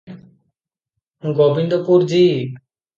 Gobindpur G.